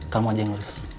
kamu aja yang urus